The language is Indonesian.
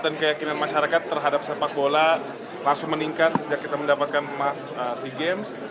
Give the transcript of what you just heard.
dan keyakinan masyarakat terhadap sepak bola langsung meningkat sejak kita mendapatkan emas sea games